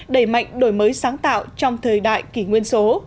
đẩy mạnh đổi mới sáng tạo trong thời đại kỷ nguyên số